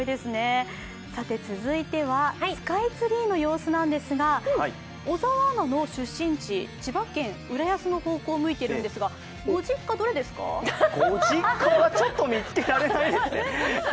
続いてはスカイツリーの様子なんですが、小沢アナの出身地、千葉県浦安の方向を向いているんですがご実家はちょっと見つけられないですね。